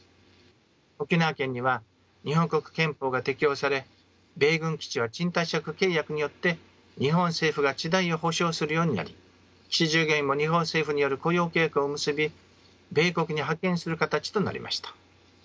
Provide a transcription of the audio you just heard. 沖縄県には日本国憲法が適用され米軍基地は賃貸借契約によって日本政府が地代を補償するようになり基地従業員も日本政府による雇用契約を結び米国に派遣する形となりました。